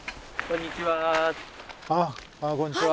こんにちは。